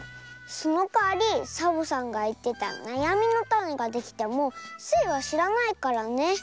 そのかわりサボさんがいってたなやみのタネができてもスイはしらないからね。